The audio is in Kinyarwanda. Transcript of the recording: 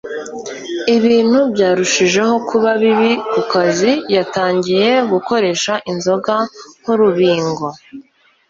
Ibintu byarushijeho kuba bibi ku kazi, yatangiye gukoresha inzoga nk'urubingo